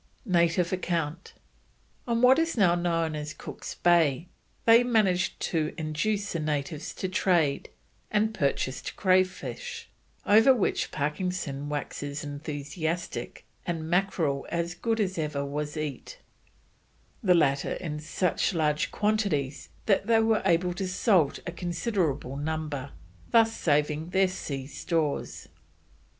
NATIVE ACCOUNT. In what is now known as Cook's Bay, they managed to induce the natives to trade, and purchased crayfish, over which Parkinson waxes enthusiastic, and "Mackerell as good as ever was eat," the latter in such large quantities that they were able to salt a considerable number, thus saving their sea stores.